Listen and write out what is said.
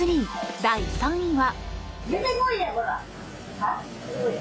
第３位は。